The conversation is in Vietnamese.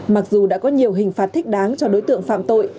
mặc dù đã có nhiều hình phạt thích đáng cho đối tượng phạm tội